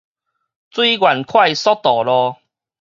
水源快速道路